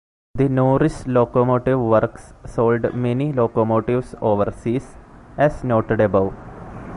The Norris Locomotive Works sold many locomotives overseas, as noted above.